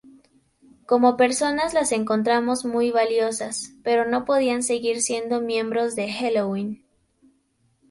Como personas las encontramos muy valiosas, pero no podían seguir siendo miembros de Helloween.